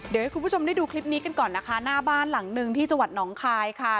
เดี๋ยวให้คุณผู้ชมได้ดูคลิปนี้กันก่อนนะคะหน้าบ้านหลังหนึ่งที่จังหวัดหนองคายค่ะ